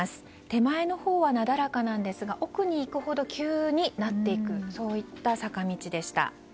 手前のほうはなだらかなんですが奥に行くほど急になっていくという坂道でした。